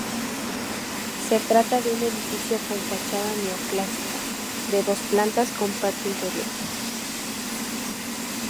Se trata de un edificio con fachada neoclásica, de dos plantas con patio interior.